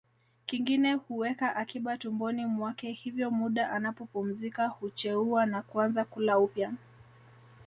Kingine huweka akiba tumboni mwake hivyo muda anapopumzika hucheua na kuanza kula upya